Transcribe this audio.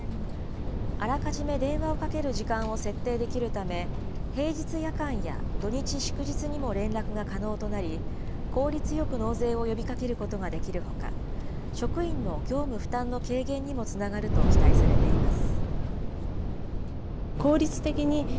あらかじめ電話をかける時間を設定できるため、平日夜間や土日祝日にも連絡が可能となり、効率よく納税を呼びかけることができるほか、職員の業務負担の軽減にもつながると期待されています。